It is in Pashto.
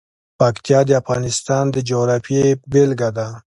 پکتیا د افغانستان د جغرافیې بېلګه ده.